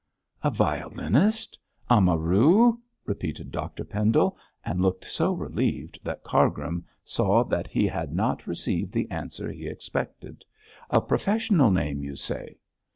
'A violinist! Amaru!' repeated Dr Pendle, and looked so relieved that Cargrim saw he had not received the answer he expected. 'A professional name you say?'